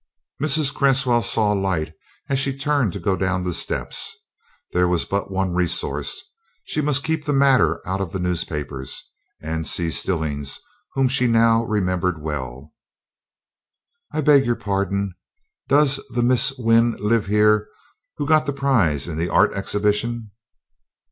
Mrs. Cresswell saw light as she turned to go down the steps. There was but one resource she must keep the matter out of the newspapers, and see Stillings, whom she now remembered well. "I beg pardon, does the Miss Wynn live here who got the prize in the art exhibition?"